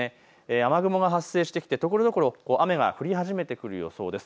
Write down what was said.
雨雲が発生してきてところどころ雨が降り始めてくる予想です。